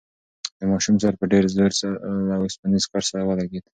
د ماشوم سر په ډېر زور له اوسپنیز کټ سره ولگېد.